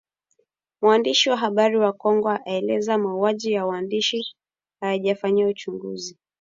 Mwandishi wa habari wa Kongo aeleza mauaji ya waandishi hayajafanyiwa uchunguzi